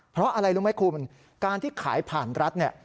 เพราะอะไรรู้ไหมคุณการที่ขายผ่านรัฐเนี่ย